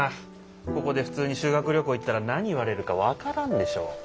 ここで普通に修学旅行行ったら何言われるか分からんでしょ。